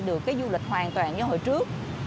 được cái du lịch hoàn toàn như hồi trước